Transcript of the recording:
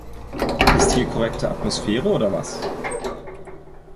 Ist hier korrekte Atmosphäre, oder was?